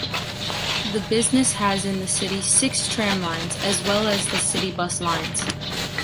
The business has in the city six tram lines as well as the city bus lines.